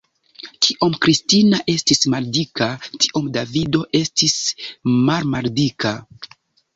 Kiom Kristina estis maldika, tiom Davido estis malmaldika.